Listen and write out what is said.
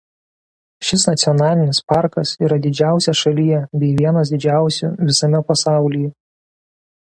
Šis nacionalinis parkas yra didžiausias šalyje bei vienas didžiausių visame pasaulyje.